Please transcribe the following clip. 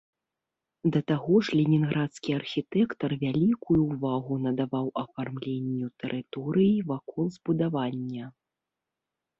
Да таго ж ленінградскі архітэктар вялікую ўвагу надаваў афармленню тэрыторыі вакол збудавання.